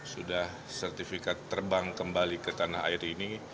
sudah sertifikat terbang kembali ke tanah air ini